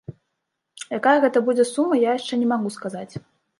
Якая гэта будзе сума, я яшчэ не магу сказаць.